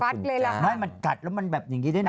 ฟัดเลยหรือคะมันกัดแล้วมันแบบอย่างนี้ด้วยนะ